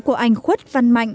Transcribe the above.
của anh khuất văn mạnh